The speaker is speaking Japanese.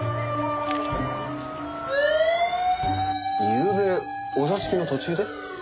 ゆうべお座敷の途中で？